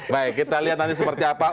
baik kita lihat nanti seperti apa